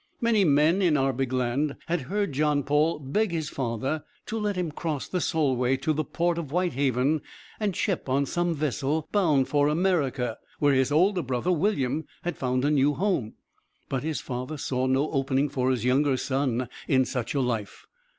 Many men in Arbigland had heard John Paul beg his father to let him cross the Solway to the port of Whitehaven and ship on some vessel bound for America, where his older brother William had found a new home. But his father saw no opening for his younger son in such a life.